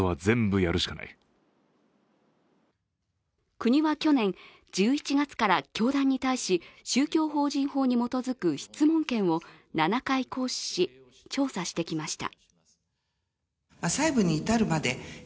国は去年１１月から教団に対し、宗教法人法に基づく質問権を７回行使し、調査してきました。